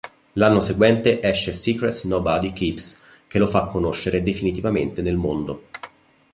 L'anno seguente esce "Secrets Nobody Keeps" che lo fa conoscere definitivamente nel mondo.